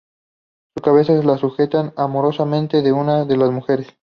Su cabeza la sujeta amorosamente una de las mujeres.